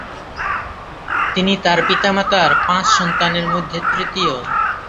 তিনি তার পিতামাতার পাঁচ সন্তানের মধ্যে তৃতীয়।